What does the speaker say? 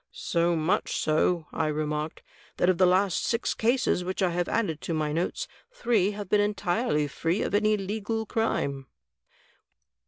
"So much so," I remarked, "that of the last six cases which x have added to my notes, three have been entirely free of any legal crime."